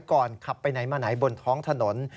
ขับไปไหนมาไหนบนท้องถนน